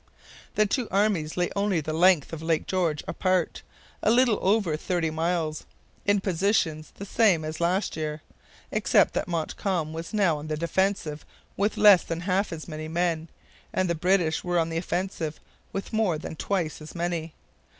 The two armies lay only the length of Lake George apart, a little over thirty miles; in positions the same as last year, except that Montcalm was now on the defensive with less than half as many men, and the British were on the offensive with more than twice as many.